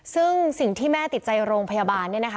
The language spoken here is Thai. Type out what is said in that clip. ซึ่งสิ่งที่แม่ติดใจโรงพยาบาลเนี่ยนะคะ